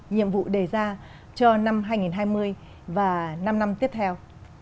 nhiệm vụ đề ra cho năm hai nghìn hai mươi và năm năm tiếp theo